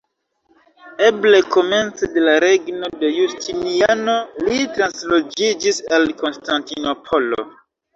Eble komence de la regno de Justiniano li transloĝiĝis al Konstantinopolo.